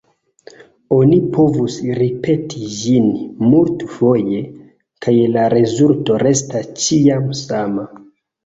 Oni povus ripeti ĝin multfoje, kaj la rezulto restas ĉiam sama.